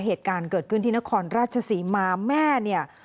เหตุการณ์เกิดขึ้นที่นครราชศรีมาแม่เนี่ย